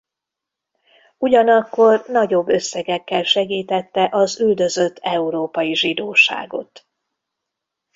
Ugyanakkor nagyobb összegekkel segítette az üldözött európai zsidóságot.